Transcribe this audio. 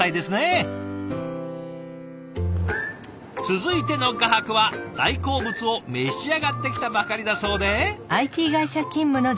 続いての画伯は大好物を召し上がってきたばかりだそうで。